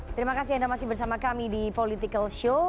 terima kasih anda masih bersama kami di political show